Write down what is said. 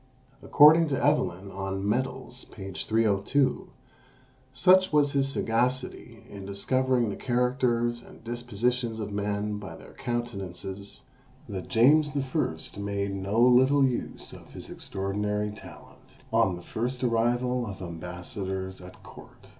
According to Evelyn on Medals, p. 302, such was his sagacity in discovering the characters and dispositions of men by their countenances, that James I. made no little use of his extraordinary talent on the first arrival of ambassadors at court.